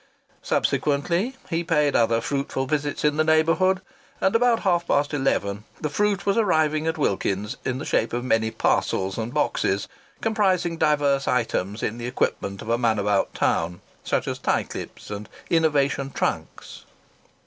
Subsequently he paid other fruitful visits in the neighbourhood, and at about half past eleven the fruit was arriving at Wilkins's in the shape of many parcels and boxes, comprising diverse items in the equipment of a man about town, such as tie clips and Innovation trunks.